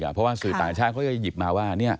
เพราะว่าสื่อต่างชาติเขาจะหยิบมาว่า